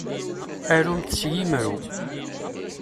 Arumt s yimru.